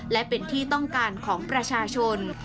และเป็นที่ต้องการของประชาชน